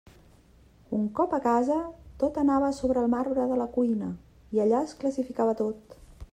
Un cop a casa, tot anava a sobre el marbre de la cuina, i allà es classificava tot.